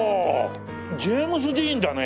ジェームズ・ディーンだね。